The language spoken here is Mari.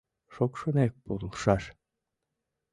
Шокшынек пурлшаш.